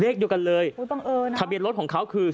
เลขเดียวกันเลยทะเบียนรถของเขาคือ